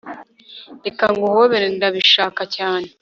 Reka nguhobere Ndabishaka cyane